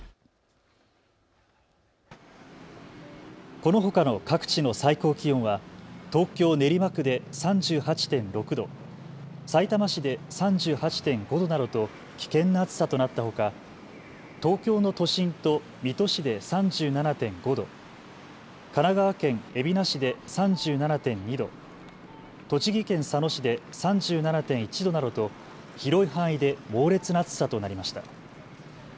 このほかの各地の最高気温は東京練馬区で３８．６度、さいたま市で３８．５度などと危険な暑さとなったほか東京の都心と水戸市で３７．５度、神奈川県海老名市で３７．２度、栃木県佐野市で３７．１度などと広い範囲で猛烈な暑さとなりました。